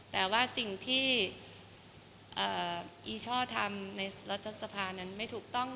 แต่ว่าสิ่งที่อีช่อทำในรัฐสภานั้นไม่ถูกต้อง